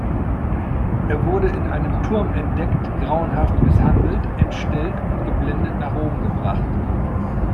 Er wurde in einem Turm entdeckt, grauenhaft misshandelt, entstellt und geblendet nach Rom gebracht.